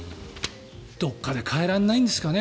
どこかで変えられないんですかね。